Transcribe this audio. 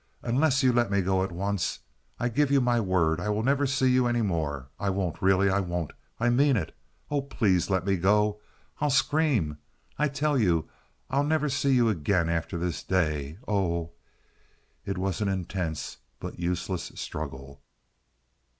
Unless you let me go at once, I give you my word I will never see you any more. I won't! Really, I won't! I mean it! Oh, please let me go! I'll scream, I tell you! I'll never see you again after this day! Oh—" It was an intense but useless struggle.